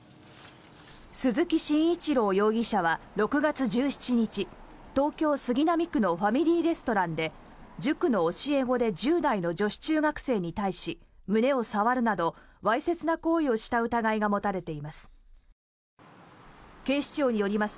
鈴木紳一郎容疑者は６月１７日東京・杉並区のファミリーレストランで塾の教え子で１０代の女子中学生に対し胸を触るなどわいせつな行為をした疑いが持たれています。